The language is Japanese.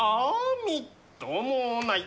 みっともない。